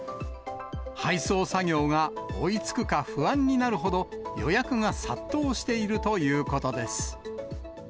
配送作業が追いつくか不安になるほど、予約が殺到しているということです。